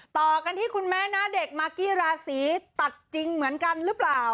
ต่อกันที่คุณแม่หน้าเด็กมากกี้ราศีตัดจริงเหมือนกันหรือเปล่า